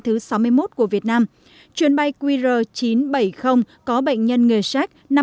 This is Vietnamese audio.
thứ sáu mươi một của việt nam chuyến bay qr chín trăm bảy mươi có bệnh nhân người sách